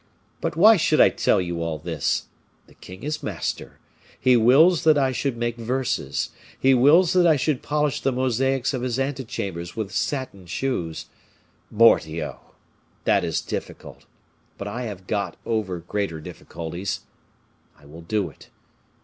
But why should I tell you all this? The king is master; he wills that I should make verses, he wills that I should polish the mosaics of his ante chambers with satin shoes. Mordioux! that is difficult, but I have got over greater difficulties. I will do it.